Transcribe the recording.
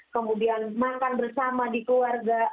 kemudian makan bersama di keluarga